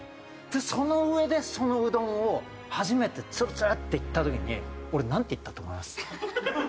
でその上でそのうどんを初めてつるつるっていった時に俺なんて言ったと思います？